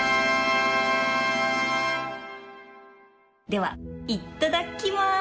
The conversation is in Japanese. ではいっただっきます！